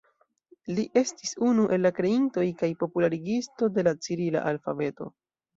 Li estis unu el la kreintoj kaj popularigisto de la cirila alfabeto.